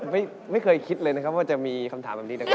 ไม่เคยคิดเลยนะครับว่าจะมีคำถามแบบนี้นะครับ